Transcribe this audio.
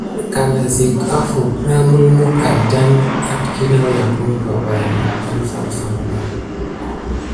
Kanasick ofuck na mulmuck adane àlékloe umpay ba dan farfar adan ba.